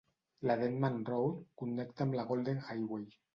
La Denman Road connecta amb la Golden Highway.